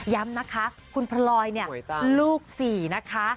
ย้ำนะคะคุณพลอยลูกสี่นะคะ